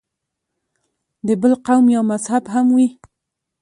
د بل قوم یا مذهب هم وي.